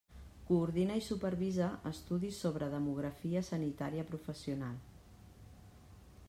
Coordina i supervisa estudis sobre demografia sanitària professional.